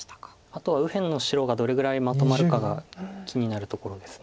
あとは右辺の白がどれぐらいまとまるかが気になるところです。